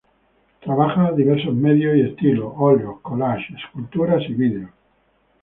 Trabaja diversos medios y estilos: óleos, collages, esculturas y vídeos.